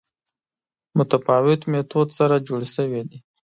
متفاوت میتود سره جوړې شوې دي